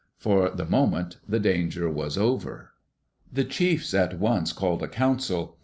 For the moment the danger was over. The chiefs at once called a council.